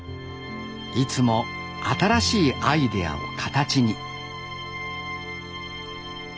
いつも新しいアイデアを形に。